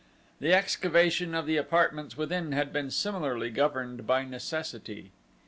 The excavation of the apartments within had been similarly governed by necessity.